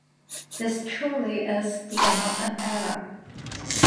This truly is the end of an era.